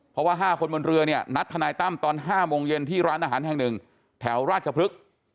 เพราะว่า๕คนบนเรือเนี่ยนัดทนายตั้มตอน๕โมงเย็นที่ร้านอาหารแห่งหนึ่งแถวราชพฤกษ์